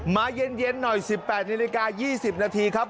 มาเย็นหน่อย๑๘นาฬิกา๒๐นาทีครับ